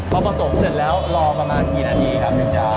พอผสมเสร็จแล้วรอประมาณกี่นาทีครับถึงจะ